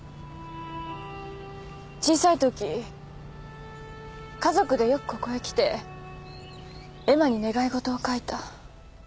小さいとき家族でよくここへ来て絵馬に願い事を書いた。